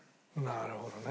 なるほどね。